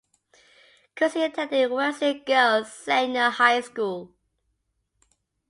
Kusi attended Wesley Girls Senior High School.